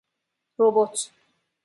روبوت